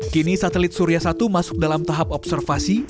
kini satelit surya satu masuk dalam tahap observasi